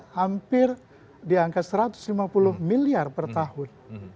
hampir di angka satu ratus lima puluh miliar per tahun